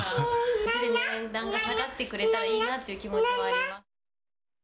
いずれ値段が下がってくれたらいいなっていう気持ちはあります。